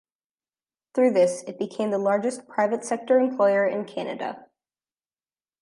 Through this, it became the largest private sector employer in Canada.